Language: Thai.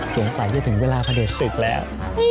สงสัยจะถึงเวลาพะเดินสุดแล้ว